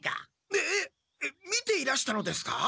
えっ見ていらしたのですか？